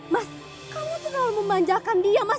mas kamu terlalu memanjakan dia mas